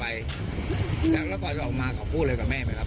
แล้วก่อนจะออกมาเขาพูดอะไรกับแม่ไหมครับ